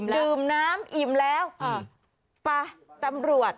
ดื่มน้ำอิ่มแล้วไปตำรวจ